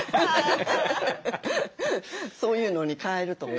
そういうのに替えるとか。